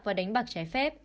và đánh bạc trái phép